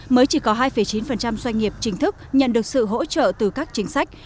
mới chỉ có hai chín doanh nghiệp chính thức nhận được sự hỗ trợ từ các chính sách